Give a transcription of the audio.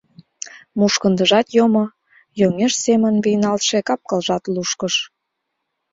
Мушкындыжат йомо, йоҥеж семын вийналтше кап-кылжат лушкыш.